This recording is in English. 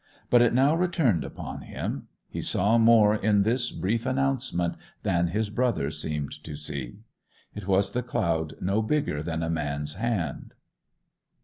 But it now returned upon him; he saw more in this brief announcement than his brother seemed to see. It was the cloud no bigger than a man's hand.